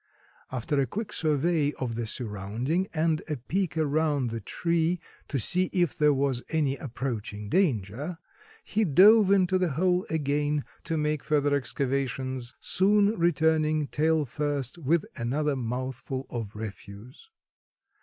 After a quick survey of the surrounding and a peek around the tree to see if there was any approaching danger, he dove into the hole again to make further excavations, soon returning, tail first, with another mouthful of refuse.